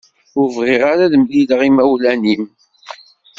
Ur bɣiɣ ara ad mlileɣ imawlan-im.